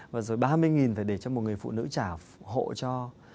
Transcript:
và rồi ba mươi phải để cho một người phụ nữ trả hộ cho